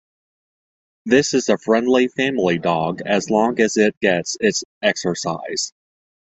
This is a friendly family dog, as long as it gets its exercise.